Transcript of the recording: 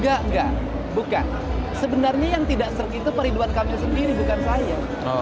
enggak enggak bukan sebenarnya yang tidak set itu ridwan kami sendiri bukan saya